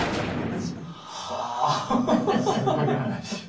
すごい話。